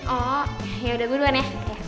oh ya udah gue duluan ya